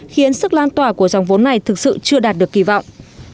khiến sức lan tỏa của dòng vốn này thực sự chưa đạt được kỳ vọng